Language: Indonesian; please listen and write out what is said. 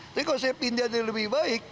tapi kalau saya pindah ke tempat yang lebih baik